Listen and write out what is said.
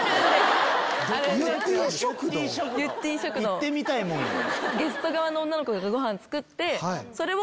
行ってみたいもんやな。